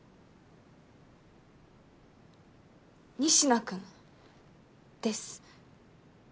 仁科君です